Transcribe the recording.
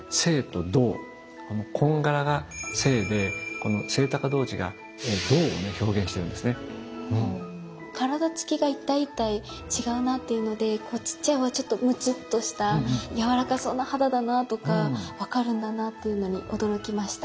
矜羯羅が「静」で制童子が「動」を表現してるんです体つきが一体一体違うなっていうのでちっちゃい方はちょっとむちっとした柔らかそうな肌だなとか分かるんだなというのに驚きました。